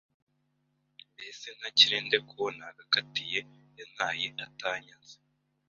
mbese ntakire nde ko uwo nagatakiye yantaye atanyanze